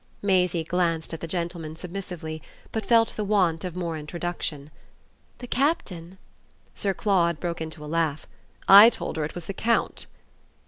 Maisie glanced at the gentleman submissively, but felt the want of more introduction. "The Captain?" Sir Claude broke into a laugh. "I told her it was the Count."